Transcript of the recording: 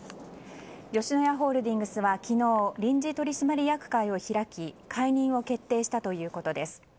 吉野家ホールディングスは昨日臨時取締役会を開き解任を決定したということです。